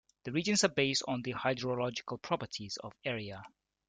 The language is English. The regions are based on the hydrological properties of area.